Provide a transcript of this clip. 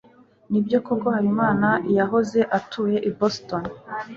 Nibyo koko Habimana yahoze atuye i Boston?